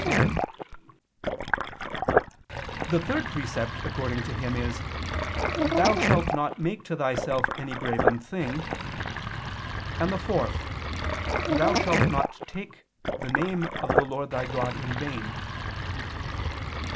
"their"] "two iniquities"); the third precept according to him is, "Thou shalt not make to thyself any graven thing"; and the fourth, "Thou shalt not take the name of the Lord thy God in vain."